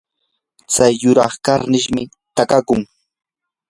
tsay yuraq karnish takakunmi.